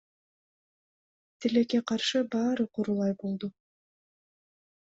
Тилекке каршы баары курулай болду.